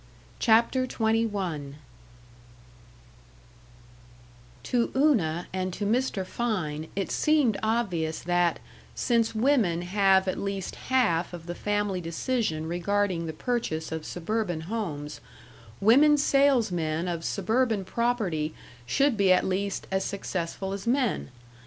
CHAPTER XXI To Una and to Mr. Fein it seemed obvious that, since women have at least half of the family decision regarding the purchase of suburban homes, women salesmen of suburban property should be at least as successful as men.